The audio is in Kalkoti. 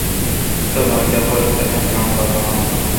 تے باگ دا بہ پتھ بہ تانی درام پر روان بیل